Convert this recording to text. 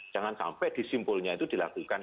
jangan sampai di simpulnya itu dilakukan